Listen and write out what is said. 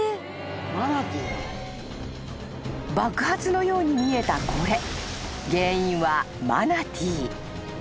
［爆発のように見えたこれ原因はマナティー］